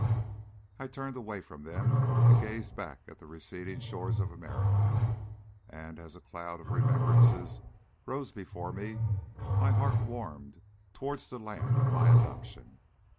I turned away from them and gazed back at the receding shores of America, and, as a cloud of remembrances rose before me, my heart warmed towards the land of my adoption.